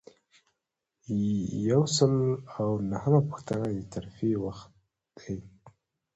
یو سل او نهمه پوښتنه د ترفیع وخت دی.